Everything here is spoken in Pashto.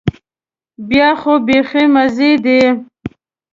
بیا خو بيخي مزې دي.